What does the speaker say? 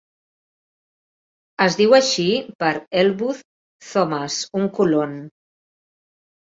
Es diu així per Elwood Thomas, un colon.